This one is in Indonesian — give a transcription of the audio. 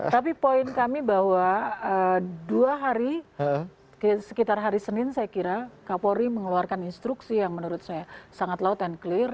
tapi poin kami bahwa dua hari sekitar hari senin saya kira kapolri mengeluarkan instruksi yang menurut saya sangat loud and clear